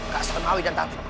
pak salmawi dan tati